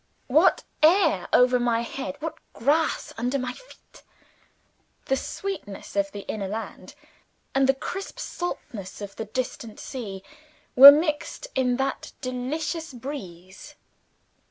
What air over my head; what grass under my feet! The sweetness of the inner land, and the crisp saltness of the distant sea, were mixed in that delicious breeze.